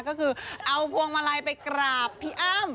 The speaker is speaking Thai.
ก็คือเอาพวงมาลัยไปกราบพี่อ้ำ